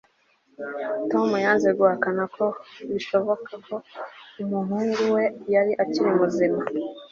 tom yanze guhakana ko bishoboka ko umuhungu we yari akiri muzima